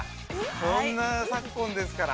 こんな昨今ですから。